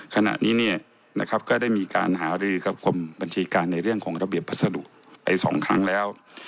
ขณะนี้ก็ได้มีการหารือกับความบัญชีการในเรื่องของระเบียบพัสดุไอ้๒ครั้งแล้ว